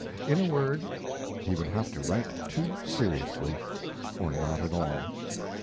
In a word, he would have to write too seriously or not at all.